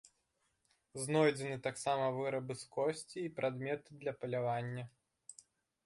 Знойдзены таксама вырабы з косці і прадметы для палявання.